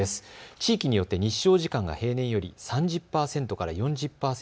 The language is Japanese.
地域によって日照時間が平年より３０％から４０％